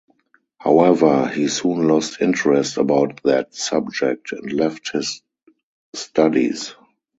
However he soon lost interest about that subject and left his studies.